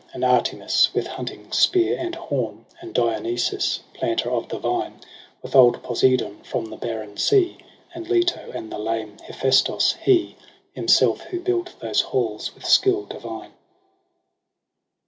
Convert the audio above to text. And Artemis with hunting spear and horn, And Dionysos, planter oF the vine. With old Poseidon from the barren sea. And Leto, and the lame Hephaestos, he Himself who built those halls with sldll divine.